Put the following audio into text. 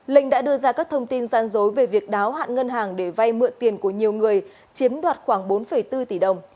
linh đã đưa ra các thông tin gian dối về việc đáo hạn ngân hàng để vay mượn tiền của nhiều người chiếm đoạt khoảng bốn bốn tỷ đồng